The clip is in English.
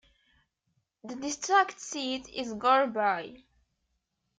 The district seat is Gore Bay.